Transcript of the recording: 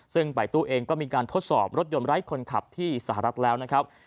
ซึ่งไปตู้เองก็มีการทดสอบรถยนต์ไร้คนขับที่สหรัฐแล้วนะครับ